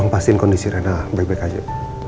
pastikan kondisi rena baik baik saja